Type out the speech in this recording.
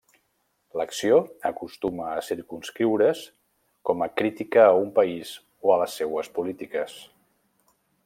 L'acció acostuma a circumscriure's com a crítica a un país o a les seues polítiques.